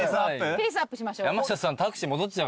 ペースアップしましょう。